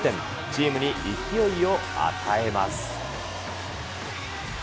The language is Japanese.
チームに勢いを与えます。